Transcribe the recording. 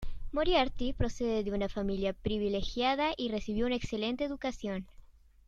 Moriarty procede de una familia privilegiada y recibió una excelente educación.